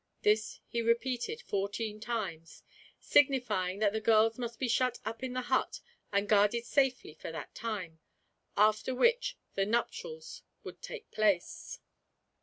This he repeated fourteen times, signifying that the girls must be shut up in the hut and guarded safely for that time, after which the nuptials would take place.